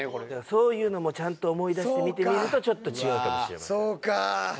そういうのもちゃんと思い出して見てみるとちょっと違うかもしれませんうわ